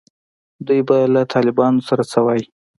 دوی به له طالبانو سره څه وایي.